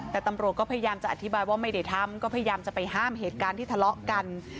แต่ตำรวจก็พยายามจะอธิบายว่าไม่ได้ทำก็พยายามจะไปห้ามเหตุการณ์ที่ทะเลาะกัน